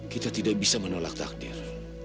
kita tidak bisa menolak takdir